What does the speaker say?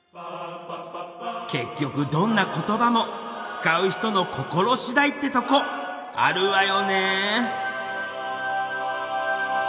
結局どんな言葉も使う人の心しだいってとこあるわよね。